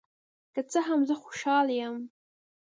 که څه هم، زه خوشحال یم.